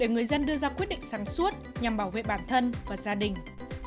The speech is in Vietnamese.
để người dân đưa ra quyết định sáng suốt nhằm bảo vệ bản thân và gia đình